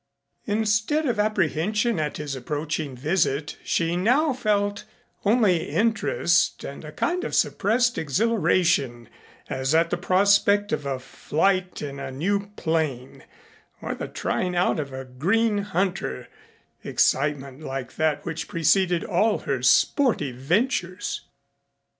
Instead of apprehension at his approaching visit she now felt only interest and a kind of suppressed exhilaration as at the prospect of a flight in a new plane or the trying out of a green hunter excitement like that which preceded all her sportive ventures.